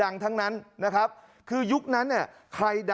และก็มีการกินยาละลายริ่มเลือดแล้วก็ยาละลายขายมันมาเลยตลอดครับ